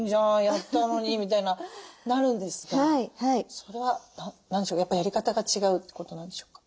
やったのに」みたいななるんですがそれはやっぱりやり方が違うってことなんでしょうか？